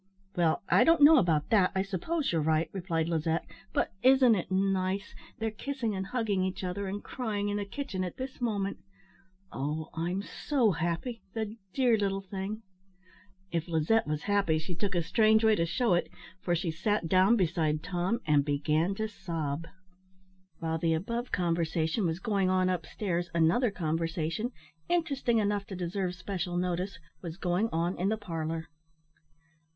"Well, I don't know about that; I suppose you're right," replied Lizette; "but isn't it nice? They're kissing and hugging each other, and crying, in the kitchen at this moment. Oh! I'm so happy the dear little thing!" If Lizette was happy she took a strange way to shew it, for she sat down beside Tom and began to sob. While the above conversation was going on up stairs, another conversation interesting enough to deserve special notice was going on in the parlour.